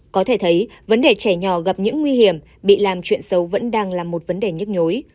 có thể thấy vấn đề trẻ nhỏ gặp những nguy hiểm bị làm chuyện xấu vẫn đang là một vấn đề nhức nhối